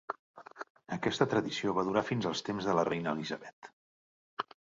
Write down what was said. Aquesta tradició va durar fins als temps de la reina Elisabet.